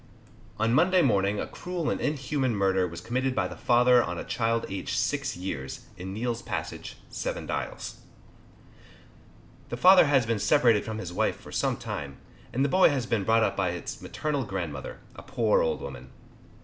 On Monday morning a cruel and inhuman murder was committed by the father on a child aged six years, in Neal's passage, Seven Dials. The father has been separated from his wife for some time, and the boy had been brought up by its maternal grandmother, a poor old woman.